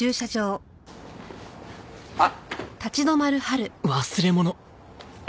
あっ。